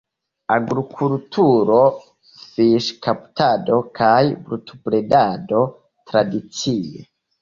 Agrikulturo, fiŝkaptado kaj brutobredado tradicie.